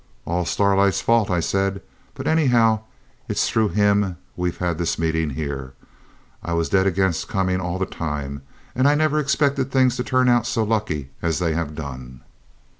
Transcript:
'All Starlight's fault,' I said; 'but anyhow, it's through him we've had this meeting here. I was dead against coming all the time, and I never expected things to turn out so lucky as they have done.'